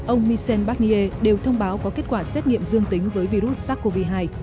ông michel barnier đều thông báo có kết quả xét nghiệm dương tính với virus sars cov hai